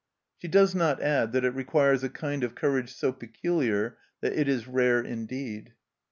She does not add that it requires a kind of courage so peculiar that it is rare indeed